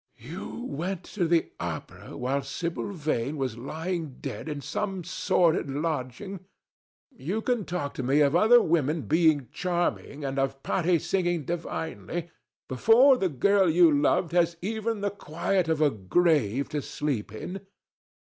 "You went to the opera while Sibyl Vane was lying dead in some sordid lodging? You can talk to me of other women being charming, and of Patti singing divinely, before the girl you loved has even the quiet of a grave to sleep in?